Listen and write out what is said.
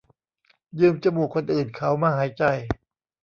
ยืมจมูกคนอื่นเขามาหายใจ